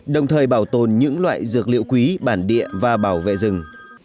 đồng thời bảo tồn những loại dược liệu quý bản địa và bảo vệ rừng